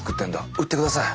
「売ってください」